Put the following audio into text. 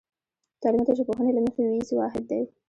کلمه د ژبپوهنې له مخې وییز واحد دی